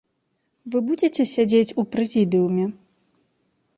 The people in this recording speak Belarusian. Вы будзеце сядзець у прэзідыуме?